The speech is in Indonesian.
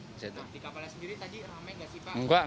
di kapal sendiri tadi rame enggak sih pak